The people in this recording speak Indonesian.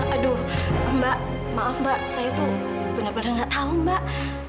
aduh mbak maaf mbak saya tuh bener bener gak tau mbak